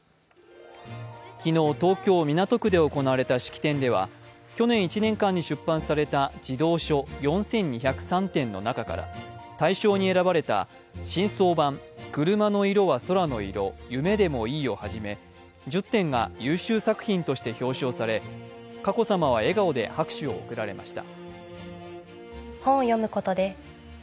昨日、東京・港区で行われた式典では去年１年間に出版された児童書４２０３点の中から大賞に選ばれた「新装版車のいろは空のいろゆめでもいい」をはじめ１０点が優秀作品として表彰され佳子さまは笑顔で拍手を送られました。